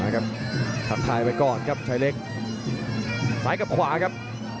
ครับทักทายไปก่อนครับชายเล็กซ้ายกับขวาครับ